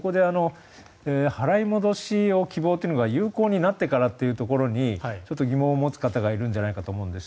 払い戻しを希望というのが有効になってからということにちょっと疑問を持つ方がいるんじゃないかと思うんです。